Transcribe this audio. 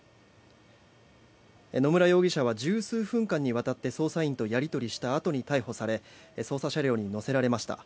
野村容疑者は１０数分間にわたって捜査員とやり取りしたあとに逮捕され捜査車両に乗せられました。